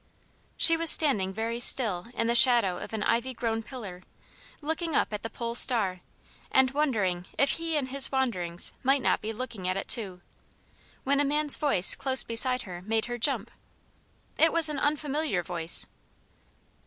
She was standing very still in the shadow of an ivy grown pillar, looking up at the Pole star and wondering if he in his wanderings might not be looking at it too, when a man's voice close beside her made her jump. It was an unfamiliar voice.